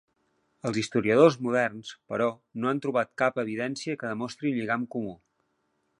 Els historiadors moderns, però, no han trobat cap evidència que demostri un lligam comú.